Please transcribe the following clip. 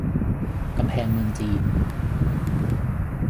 กำแพงเมืองจีน